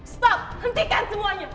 stop hentikan semuanya